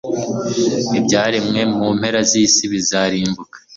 Ibyaremwe mu mpera za z’isis bizarimbuka